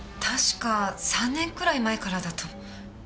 確か３年くらい前からだと。